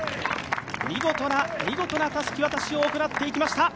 見事な見事なたすき渡しを行っていきました。